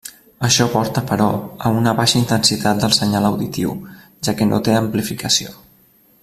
Això porta, però, a una baixa intensitat del senyal auditiu, ja que no té amplificació.